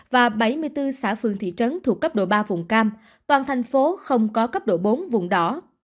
và bảy mươi bốn xã phường thị trấn thuộc cấp độ ba vùng cam toàn thành phố không có cấp độ bốn vùng đỏ